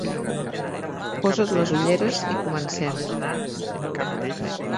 Posa't les ulleres i comencem.